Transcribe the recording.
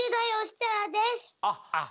あっ！